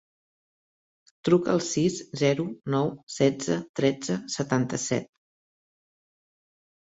Truca al sis, zero, nou, setze, tretze, setanta-set.